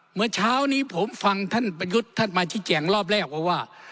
เมื่อเช้านี้ผมฟังท่านประยุทธ์ท่านมาชี้แจงรอบแรกว่า